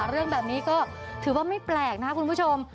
เรื่องแบบนี้ก็ถือว่าไม่แปลกนะครับคุณผู้ชม